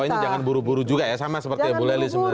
ini jangan buru buru juga ya sama seperti bu lely sebenarnya